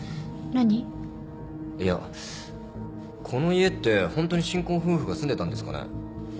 いやこの家ってホントに新婚夫婦が住んでたんですかね？